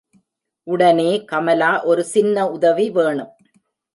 உடனே கமலா ஒரு சின்ன உதவி வேணும்.